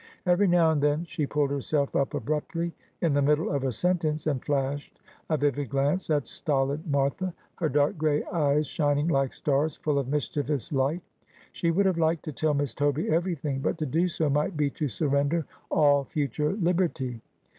Every now and then she pulled herself up abruptly in the middle of a sentence, and flashed a vivid glance at stolid Martha, her dark gray eyes shining like stars, full of mischievous light. She would have liked to tell Miss Toby everything, but to do so might be to surrender all future liberty.